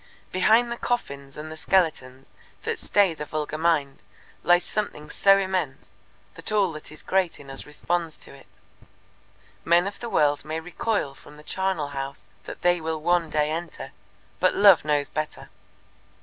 Behind the coffins and the skeletons that stay the vulgar mind lies something so immense that all that is great in us responds to it. Men of the world may recoil from the charnel house that they will one day enter, but Love knows better.